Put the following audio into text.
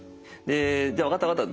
「じゃあ分かった分かった。